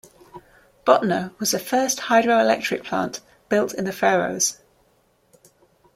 Botnur was the first hydroelectric plant built in the Faroes.